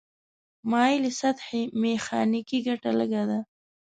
مایلې سطحې میخانیکي ګټه لږه ده.